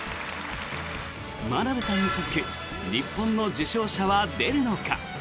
真鍋さんに続く日本の受賞者は出るのか。